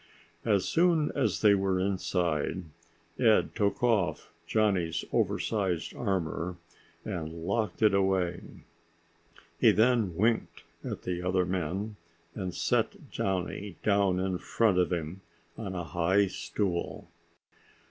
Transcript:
As soon as they were inside, Ed took off Johnny's oversized armor and locked it away. He then winked at the other men and sat Johnny down in front of him on a high stool.